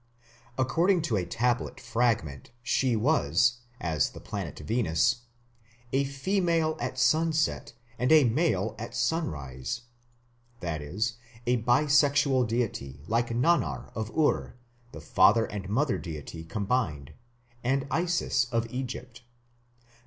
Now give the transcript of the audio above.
According to a tablet fragment she was, as the planet Venus, "a female at sunset and a male at sunrise" that is, a bisexual deity like Nannar of Ur, the father and mother deity combined, and Isis of Egypt.